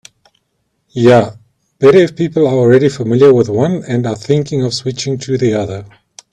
Yeah, better if people are already familiar with one and are thinking of switching to the other.